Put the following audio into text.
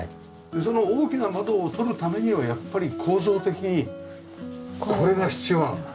その大きな窓をとるためにはやっぱり構造的にこれが必要なんだ。